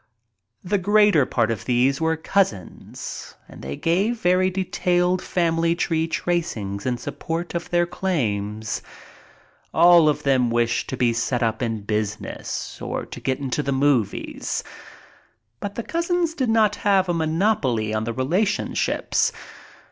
The greater part of these were cousins and they gave very detailed family tree tracings in support of their claims. All of them wished to be set up in business or to get into the movies. But the cousins did not have a monopoly on the relation ships.